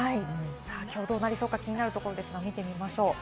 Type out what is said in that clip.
きょうはどうなるのか気になるところですが見てみましょう。